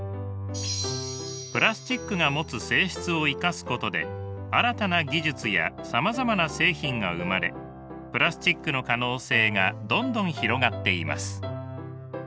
プラスチックが持つ性質を生かすことで新たな技術やさまざまな製品が生まれプラスチックの可能性がどんどん広がっています。